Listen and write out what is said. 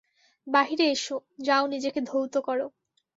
বাহিরে এস, যাও নিজেকে ধৌত কর।